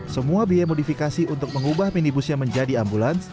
semua biaya modifikasi untuk mengubah minibusnya menjadi ambulans